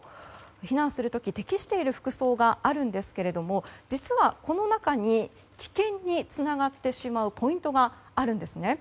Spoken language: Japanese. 避難する時に適している服装があるんですが実はこの中に危険につながってしまうポイントがあるんですね。